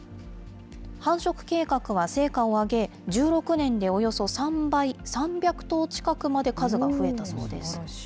繁殖計画は成果を挙げ、１６年でおよそ３倍、３００頭近くまで数が増えたそうです。